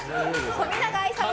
冨永愛さん。